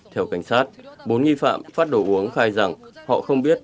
theo cảnh sát bốn nghi phạm phát đồ uống khai rằng họ không biết